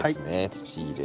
土入れ。